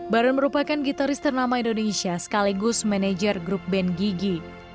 baron merupakan gitaris ternama indonesia sekaligus manajer grup band gigi